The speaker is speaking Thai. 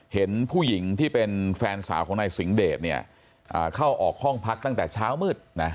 เห็นผู้หญิงที่เป็นแฟนสาวของนายสิงเดชเนี่ยเข้าออกห้องพักตั้งแต่เช้ามืดนะ